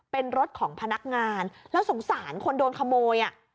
เป็นรถของพนักงานแล้วสงสารคนโดนขโมย